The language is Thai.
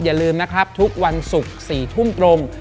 อย่าลืมนะครับทุกวันศุกร์๔ทุ่มตรง